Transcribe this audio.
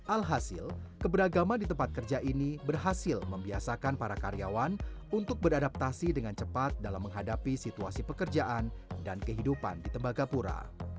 alhasil keberagaman di tempat kerja ini berhasil membiasakan para karyawan untuk beradaptasi dengan cepat dalam menghadapi situasi pekerjaan dan kehidupan di tembagapura